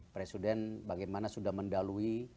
presiden bagaimana sudah mendalui